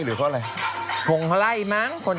อ๋อเคลื่อนไหวนี้ไม่มี